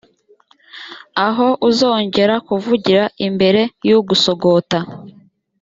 aho uzongera kuvugira imbere y ugusogota